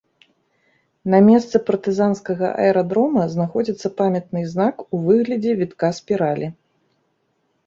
На месцы партызанскага аэрадрома знаходзіцца памятны знак у выглядзе вітка спіралі.